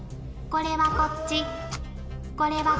これはこっち。